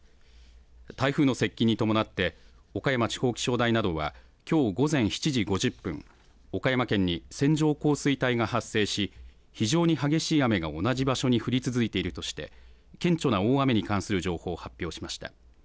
台風の接近に伴って、岡山地方気象台などはきょう午前７時５０分、岡山県に線状降水帯が発生し、非常に激しい雨が同じ場所に降り続いているとして、顕著な大雨に関する情報を発表しました。